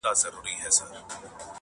ټول جهان ورته تیاره سو لاندي باندي،